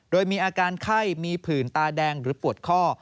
โดยมีอาการไข้มีผื่นตาแดงหรือปวดข้อ